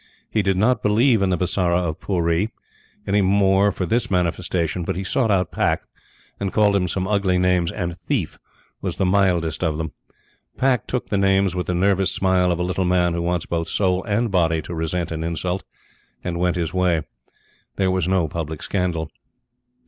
He did not believe in the Bisara of Pooree any the more for this manifestation, but he sought out Pack and called him some ugly names; and "thief" was the mildest of them. Pack took the names with the nervous smile of a little man who wants both soul and body to resent an insult, and went his way. There was no public scandal.